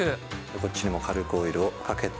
こっちにも軽くオイルをかけて。